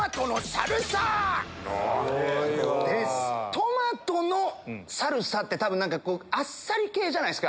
トマトのサルサって多分あっさり系じゃないですか？